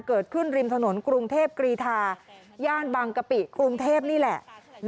ริมถนนกรุงเทพกรีธาย่านบางกะปิกรุงเทพนี่แหละ